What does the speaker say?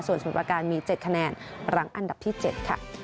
ส่วนสมุดประการมีเจ็ดคะแนนหลังอันดับที่เจ็ดค่ะ